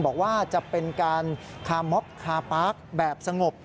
บอกว่าจะเป็นการคาม็อบคาปาร์คแบบสงบ